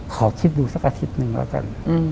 ขอคิดดูสักอาทิตย์หนึ่งแล้วกัน